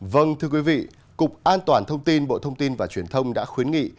vâng thưa quý vị cục an toàn thông tin bộ thông tin và truyền thông đã khuyến nghị